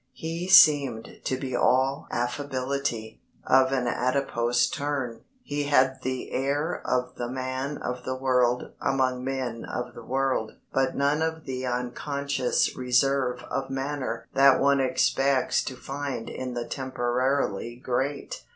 He seemed to be all affability, of an adipose turn. He had the air of the man of the world among men of the world; but none of the unconscious reserve of manner that one expects to find in the temporarily great.